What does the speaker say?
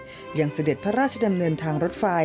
ยังเสด็จพระราชดำเนินทางรถไฟ